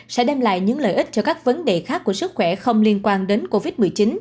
sẽ đem lại những lợi ích cho các vấn đề khác của sức khỏe không liên quan đến covid một mươi chín